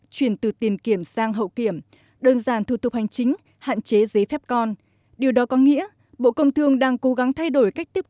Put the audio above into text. chuyển vào kiểm tra theo sát xuất